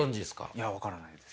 いや分からないです。